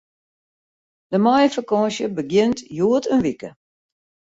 De maaiefakânsje begjint hjoed in wike.